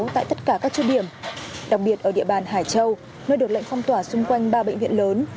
tại tất cả các chốt điểm đặc biệt ở địa bàn hải châu nơi được lệnh phong tỏa xung quanh ba bệnh viện lớn